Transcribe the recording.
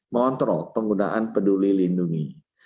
mengontrol penggunaan peduli lindungi